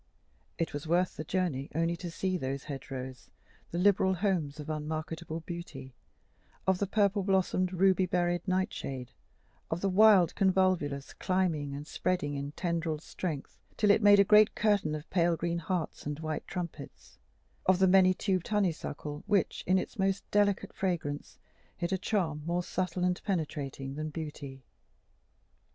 It was worth the journey only to see those hedgerows, the liberal homes of unmarketable beauty of the purple blossomed, ruby berried nightshade, of the wild convolvulus climbing and spreading in tendriled strength till it made a great curtain of pale green hearts and white trumpets, of the many tubed honey suckle which, in its most delicate fragrance, hid a charm more subtle and penetrating than beauty.